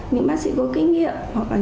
những bác sĩ có kinh nghiệm